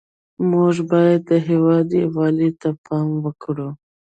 موږ باید د هېواد یووالي ته پام وکړو